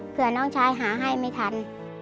เพื่อน้องชายหาให้ไม่ทัน